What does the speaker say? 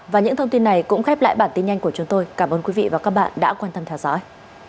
và những thông tin này cũng khép lại bản tin nhanh của chúng tôi cảm ơn quý vị và các bạn đã quan tâm theo dõi